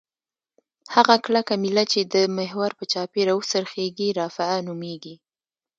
هغه کلکه میله چې د محور په چاپیره وڅرخیږي رافعه نومیږي.